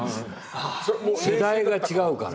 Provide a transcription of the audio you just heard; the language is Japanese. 世代が違うから。